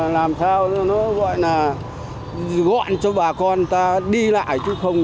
làm sao cho nó gọi là gọn cho bà con ta đi lại chứ không